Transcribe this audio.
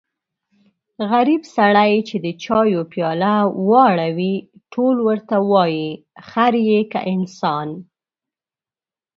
غریب سړی چې د چایو پیاله واړوي ټول ورته وایي خر يې که انسان.